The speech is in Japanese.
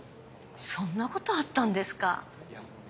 そんなことあったんですか？